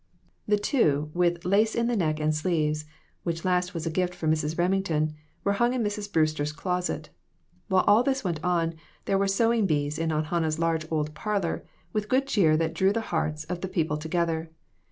The two, with "lace in the neck and sleeves," which last was a gift from Mrs. Rem ington, were hung in Mrs. Brewster's closet. While all this went on, there were sewing bees in Aunt Hannah's large old parlor, with good cheer that drew the hearts of the people together.